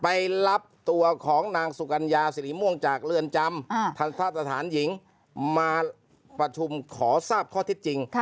ไปรับตัวของนางสุกัญญาสิริม่วงจากเรือนจำทันทะสถานหญิงมาประชุมขอทราบข้อที่จริง